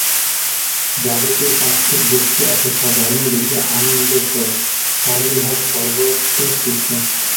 যাবতীয় পার্থিব বস্তু অপেক্ষা ধর্ম বেশী আনন্দপ্রদ, কারণ ইহা সর্বোৎকৃষ্ট।